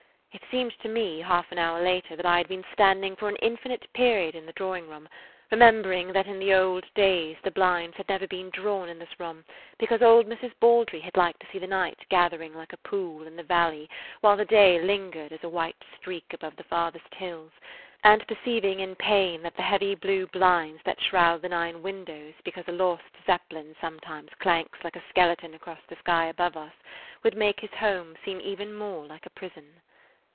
It seemed to me, half an hour later, that I had been standing for an infinite period in the drawing room, remembering that in the old days the blinds had never been drawn in this room because old Mrs. Baldry had liked to see the night gathering like a pool in the valley while the day lingered as a white streak above the farthest hills, and perceiving in pain that the heavy blue blinds that shroud the nine windows because a lost Zeppelin sometimes clanks like a skeleton across the sky above us would make his home seem even more like prison.